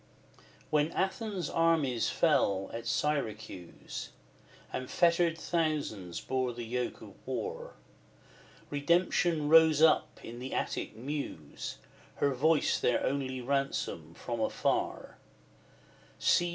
XVI. When Athens' armies fell at Syracuse, And fettered thousands bore the yoke of war, Redemption rose up in the Attic Muse, Her voice their only ransom from afar: See!